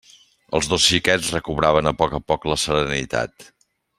Els dos xiquets recobraven a poc a poc la serenitat.